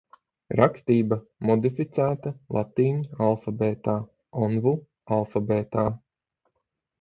Rakstība modificētā latīņu alfabētā – Onvu alfabētā.